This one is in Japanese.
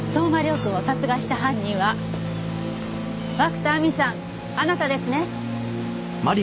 君を殺害した犯人は涌田亜美さんあなたですね？